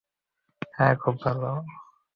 হ্যাঁ, খুব ভালো।